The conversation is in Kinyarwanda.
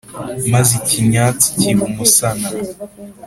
Maze ikinyatsi kiba umusana.